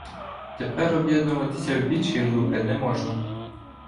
Тепер об'єднуватися в більші групи не можна.